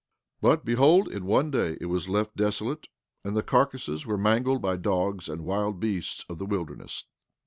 16:10 But behold, in one day it was left desolate; and the carcasses were mangled by dogs and wild beasts of the wilderness.